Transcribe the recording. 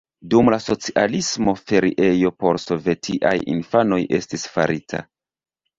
Dum la socialismo feriejo por sovetiaj infanoj estis farita.